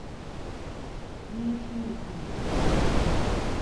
In scî pissi.